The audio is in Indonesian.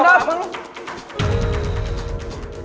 lu terus kenapa